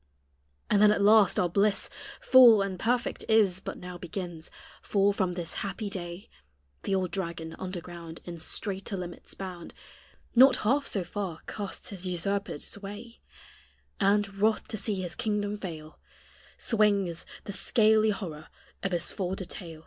And then at last our bliss Full and perfect is But now begins: for from this happy day The old dragon, under ground In straiter limits bound, Not half so far casts his usurpèd sway, And, wroth to see his kingdom fail, Swinges the scaly horror of his folded tail.